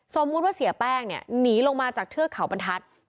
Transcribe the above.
สมมุติว่าเสียแป้งหนีลงมาจากเทือกเผาปันทัศน์